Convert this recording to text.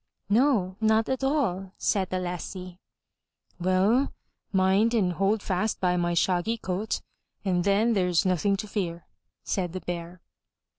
"No, not at all," said the lassie. "Well, mind and hold fast by my shaggy coat, and then there's nothing to fear," said the Bear.